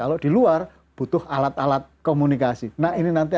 alat alat komunikasi nah ini nanti